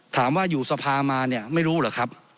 ถามว่าอยู่สภามาไม่รู้หรือครับ